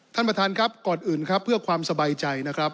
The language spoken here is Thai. ท่านประธานครับก่อนอื่นครับเพื่อความสบายใจนะครับ